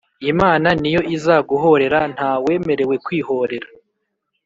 Imana niyo izaguhorera ntawemerewe kwihorera